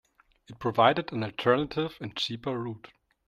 It provided an alternative and cheaper route.